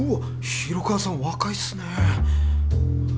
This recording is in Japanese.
広川さん若いっすね。